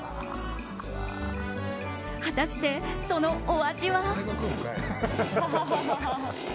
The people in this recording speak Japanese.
果たして、そのお味は。